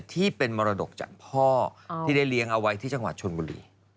ที่เป็นมรดกจากพ่อที่ได้เลี้ยงเอาไว้ที่จังหวัดชนบุรี